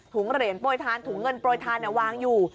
ถุงเหร่นปล่วยทานถุงเงินปล่วยทานนะวางอยู่